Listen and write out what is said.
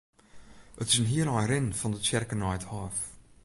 It is in hiel ein rinnen fan de tsjerke nei it hôf.